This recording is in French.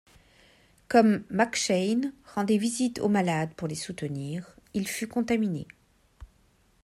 Comme McCheyne rendait visite aux malades pour les soutenir, il fut contaminé.